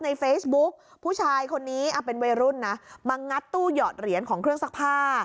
ในเฟซบุ๊กผู้ชายคนนี้เป็นวัยรุ่นนะมางัดตู้หยอดเหรียญของเครื่องซักผ้า